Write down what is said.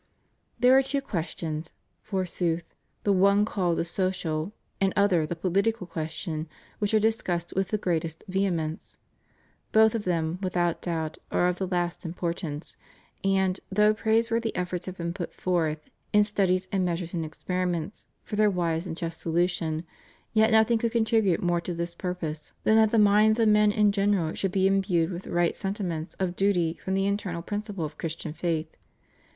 There are two questions, forsooth — the one called the social, and other the political question — ^which are discussed with the greatest vehemence. Both of them, without doubt, are of the last importance, and, though praise worthy efforts have been put forth, in studies and meas ures and experiments for their wise and just solution, yet nothing could contribute more to this purpose than THE REUNION OF CHRISTENDOM. 317 that the minds of men in general should be imbued with right sentiments of duty from the internal principle of Christian faith.